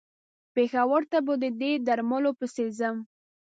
پېښور ته به د دې درملو پسې ځم.